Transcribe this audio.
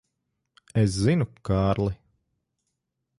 Es zinu, Kārli.